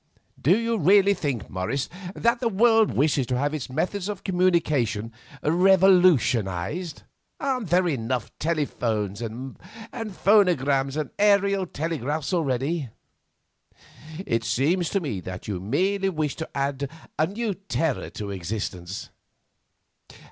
"Do you really think, Morris, that the world wishes to have its methods of communication revolutionised? Aren't there enough telephones and phonograms and aerial telegraphs already? It seems to me that you merely wish to add a new terror to existence.